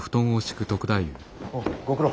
おご苦労。